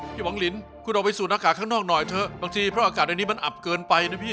หวังลินคุณออกไปสูดอากาศข้างนอกหน่อยเถอะบางทีเพราะอากาศในนี้มันอับเกินไปนะพี่